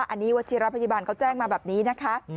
อันนี้วัชิระพยาบาลเขาแจ้งมาแบบนี้นะคะ